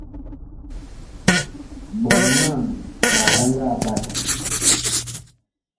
Ɓoŋ mam kaa ɛ ngaa ɓat.